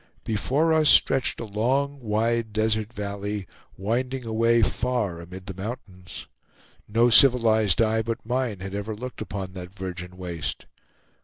Before us stretched a long, wide, desert valley, winding away far amid the mountains. No civilized eye but mine had ever looked upon that virgin waste.